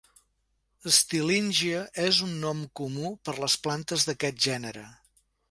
"Stillingia" és un nom comú per les plantes d'aquest gènere.